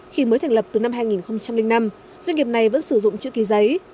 khi mới thành lập từ năm hai nghìn năm doanh nghiệp này vẫn sử dụng chữ ký giấy